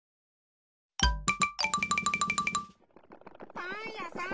パンやさん。